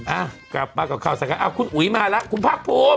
อะกลับปลาก์กับเข้าใส่กันเอาคุณอุ๋ยมาแล้วคุณพรากภูมิ